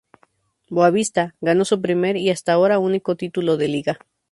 Boavista ganó su primer y hasta ahora único título de liga.